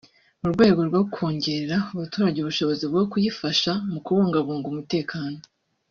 mu rwego rwo kongerera abaturage ubushobozi bwo kuyifasha mu kubungabunga umutekano